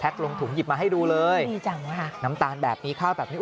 แพ็กลงถุงหยิบมาให้ดูเลยน้ำตาลแบบนี้ข้าวแบบนี้